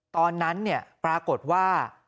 ตอนนั้นเนี่ยปรากฏว่า